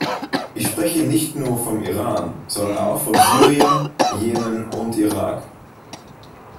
Ich spreche nicht nur vom Iran, sondern auch von Syrien, Jemen und Irak.